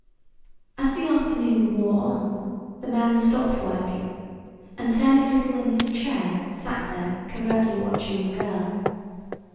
As the afternoon wore on the man stopped working and turning a little in his chair sat there covertly watching the girl.